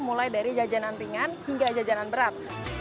mulai dari jajanan ringan hingga jajanan berat